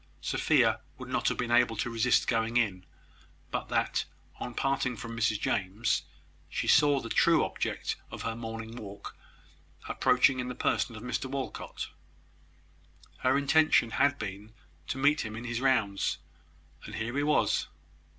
Sophia would not have been able to resist going in, but that, on parting from Mrs James, she saw the true object of her morning walk approaching in the person of Mr Walcot. Her intention had been to meet him in his rounds; and here he was.